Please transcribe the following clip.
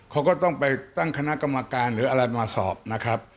เขาก็ต้องไปตั้งคณะกรรมการหรืออะไรมาสอบนะครับ